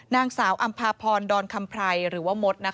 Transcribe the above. นางสาวอำภาพรดรคัมภัยหรือว่ามด